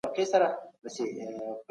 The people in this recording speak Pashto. که منفي عادتونه لرئ، نو یې بدل کړئ.